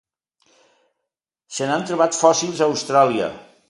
Se n'han trobat fòssils a Austràlia.